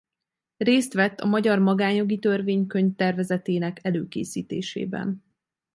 Részt vett a magyar magánjogi törvénykönyv tervezetének előkészítésében.